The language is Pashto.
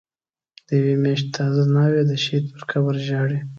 د یوی میاشتی تازه ناوی، دشهید پر قبرژاړی